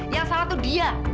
yang salah tuh dia